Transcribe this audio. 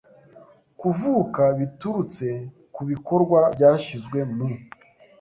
kuvuka biturutse ku bikorwa byashyizwe mu